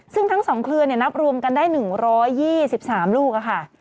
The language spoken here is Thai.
ซึ่งทั้ง๒เครือนับรวมกันได้๑๒๓ลูกค่ะ